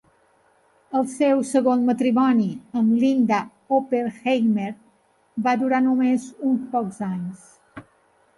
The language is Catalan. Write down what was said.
El seu segon matrimoni, amb Linda Oppenheimer, va durar només uns pocs anys.